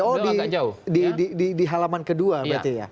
oh di halaman kedua berarti ya